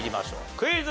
クイズ。